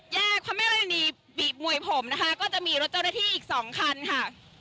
แยกความไม่ประดับดีบีบมวยผมนะคะก็จะมีรถเจ้าหน้าที่อีกสองคันค่ะ